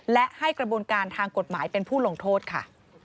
และให้กระบวนการทางกฎหมายเป็นผู้ลงโทษค่ะ